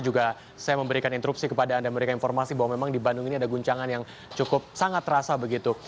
juga saya memberikan interupsi kepada anda memberikan informasi bahwa memang di bandung ini ada guncangan yang cukup sangat terasa begitu